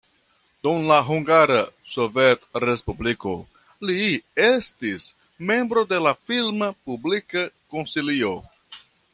Dum la Hungara Sovetrespubliko li estis membro de la filma politika konsilio.